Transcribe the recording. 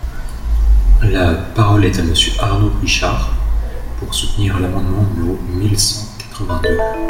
La parole est à Monsieur Arnaud Richard, pour soutenir l’amendement numéro mille cent quatre-vingt-deux.